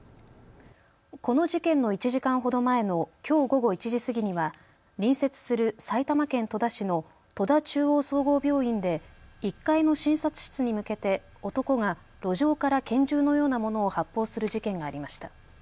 この事件の１時間ほど前のきょう午後１時過ぎには隣接する埼玉県戸田市の戸田中央総合病院で１階の診察室に向けて男が路上から拳銃のようなものを発砲する事件がありました。